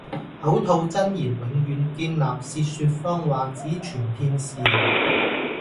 口吐真言，永遠堅立；舌說謊話，只存片時。